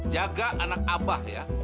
jaga anak abah ya